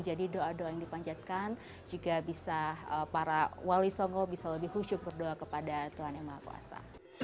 doa doa yang dipanjatkan juga bisa para wali songo bisa lebih husyuk berdoa kepada tuhan yang maha kuasa